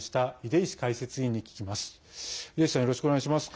出石さんよろしくお願いします。